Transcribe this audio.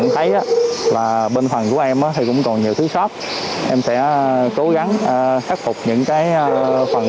trong tháng ba năm hai nghìn hai mươi hai